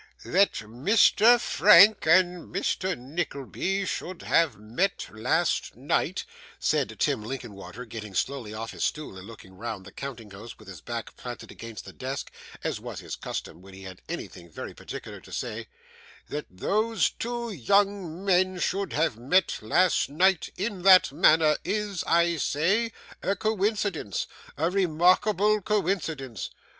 'That Mr. Frank and Mr. Nickleby should have met last night,' said Tim Linkinwater, getting slowly off his stool, and looking round the counting house with his back planted against the desk, as was his custom when he had anything very particular to say: 'that those two young men should have met last night in that manner is, I say, a coincidence, a remarkable coincidence.